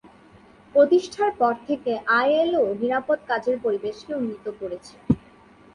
প্রতিষ্ঠার পর থেকে, আইএলও নিরাপদ কাজের পরিবেশকে উন্নীত করেছে।